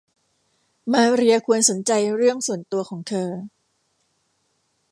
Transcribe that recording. มาเรียควรสนใจเรื่องส่วนตัวของเธอ